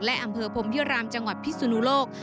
และอำเภอพรมพิรามจังหวัดพิสุนุโลก